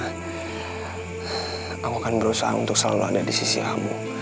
kamu kan berusaha untuk selalu ada di sisi kamu